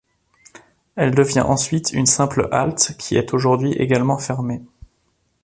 Elle devient ensuite une simple halte qui est aujourd'hui également fermée.